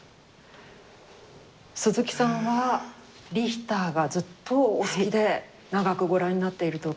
鈴木さんはリヒターがずっとお好きで長くご覧になっていると伺っていますけれど。